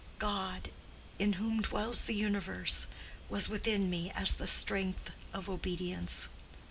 God, in whom dwells the universe, was within me as the strength of obedience.